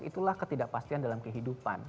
itulah ketidakpastian dalam kehidupan